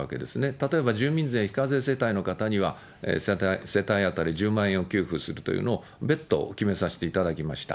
例えば住民税非課税世帯の方には世帯当たり１０万円を給付するというのを、別途決めさせていただきました。